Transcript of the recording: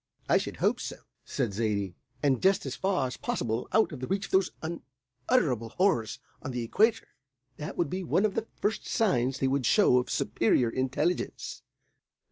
"I should hope so," said Zaidie, "and just as far as possible out of the reach of those unutterable horrors on the equator. That would be one of the first signs they would show of superior intelligence.